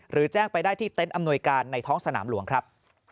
แจ้งไปได้ที่เต็นต์อำนวยการในท้องสนามหลวงครับ